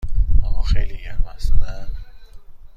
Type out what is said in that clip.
هوا خیلی گرم است، نه؟